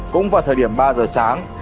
cũng vào thời điểm ba giờ sáng